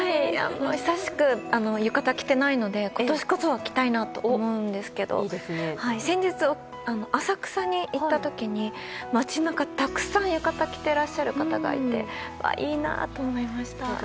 久しく浴衣は着ていないので今年こそは着たいなと思うんですけど先日、浅草に行った時に街中、たくさん浴衣着ていらっしゃる方がいていいな！と思いました。